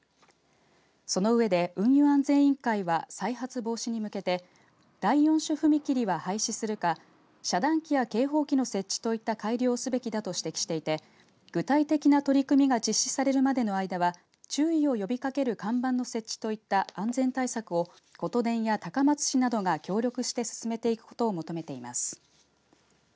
その上で運輸安全委員会は再発防止に向けて第４種踏切は廃止するか遮断機や警報機の設置といった改良をすべきだと指摘していて具体的な取り組みが実施されるまでの間は注意を呼びかける看板の設置といった安全対策をことでんや高松市などが協力して進めていくことを求めています。